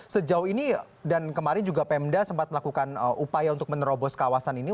sejauh ini dan kemarin juga pemda sempat melakukan upaya untuk menerobos kawasan ini